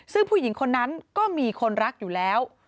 ซึ่งผู้หญิงคนนั้นก็มีคนรักอยู่แล้ว